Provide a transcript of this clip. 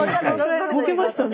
ボケましたね